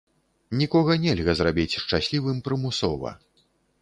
Нікога нельга зрабіць шчаслівым прымусова.